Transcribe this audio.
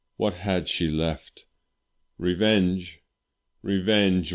What had she left? Revenge! Revenge!